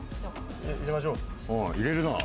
入れるなぁ。